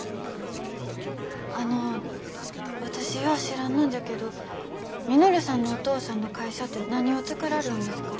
あの私よう知らんのんじゃけど稔さんのお父さんの会社て何を作らりょんですか？